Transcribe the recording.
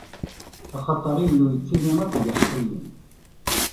Axaṭer Illu yettili akked yiḥeqqiyen.